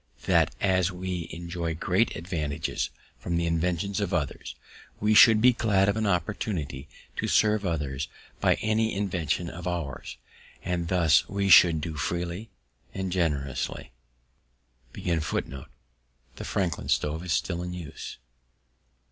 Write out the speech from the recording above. _That, as we enjoy great advantages from the inventions of others, we should be glad of an opportunity to serve others by any invention of ours; and this we should do freely and generously._ The Franklin stove is still in use.